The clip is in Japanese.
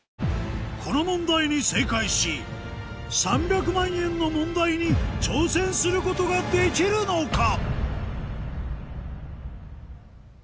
この問題に正解し３００万円の問題に挑戦することができるのか⁉